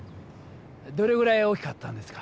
どれぐらい大きかったんですか？